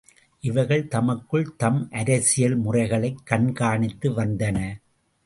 இவைகள் தமக்குள் தம் அரசியல் முறைகளைக் கண்காணித்து வந்தன.